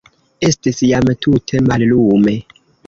Estis jam tute mallume.